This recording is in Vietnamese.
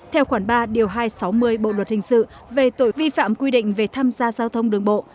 theo khoản ba điều hai trăm sáu mươi bộ luật hình sự về tội vi phạm quy định về tham gia giao thông đường bộ